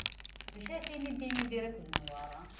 D acu ara tiniḍ di Yidir akked Newwara?